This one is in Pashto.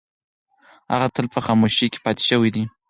هغه تل په خاموشۍ کې پاتې شوې ده.